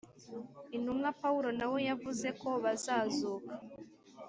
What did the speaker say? intumwa pawulo na we yavuze ko bazazuka